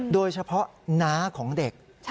โดยเฉพาะน้าของเด็ก